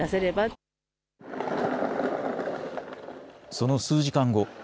その数時間後。